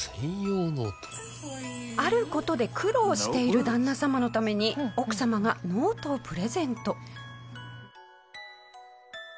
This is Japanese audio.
ある事で苦労している旦那様のために奥様がノートをプレゼント。